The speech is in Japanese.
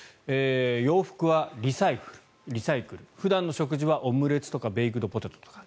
洋服はリサイクル普段の食事はオムレツとかベイクドポテトとか。